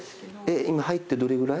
今入ってどれぐらい？